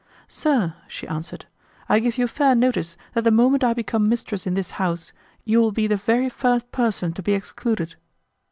"Sir," she answered, "I give you fair notice that the moment I become mistress in this house you will be the very first person to be excluded."